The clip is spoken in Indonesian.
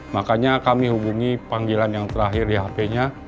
makanya kami hubungi panggilan yang terakhir di hp nya